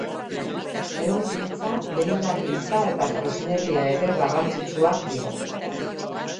Ehungintza, beiragintza eta tresneria ere garrantzitsuak dira.